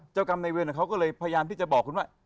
เจ้ากรรมในเวรของเขาก็เลยพยายามที่จะบอกคุณว่า